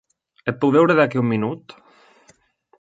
Et puc veure d'aquí un minut?